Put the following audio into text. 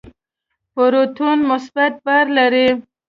پروتون مثبت بار لري.